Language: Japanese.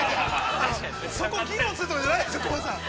◆そこ議論するとこじゃないですよ、コバさん。